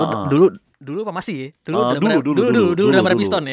dulu dulu dulu drama piston ya